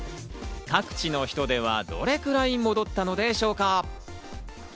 各地の人出はどれくらい戻ったのでしょうか？